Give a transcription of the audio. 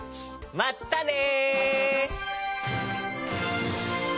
まったね！